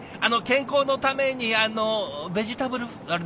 健康のためにあのベジタブルあれ？